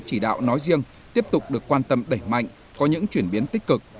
chỉ đạo nói riêng tiếp tục được quan tâm đẩy mạnh có những chuyển biến tích cực